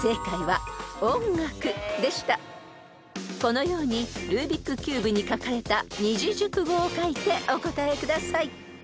［このようにルービックキューブに書かれた２字熟語を書いてお答えください］